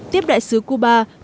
tiếp đại sứ cuba